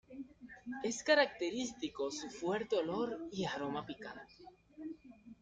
Es característico su fuerte olor y aroma picante.